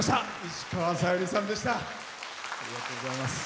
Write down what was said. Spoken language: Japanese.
石川さゆりさんでした。